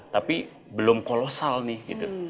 tapi belum kolosal nih gitu